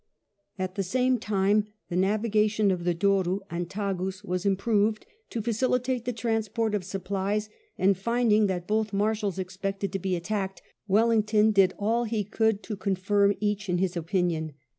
At the same time the navigation of the Douro and the Tagus was im proved to facilitate the transport of supplies, and finding that both Marshals expected to be attacked, Wellington did all he could to confirm each in his opinion.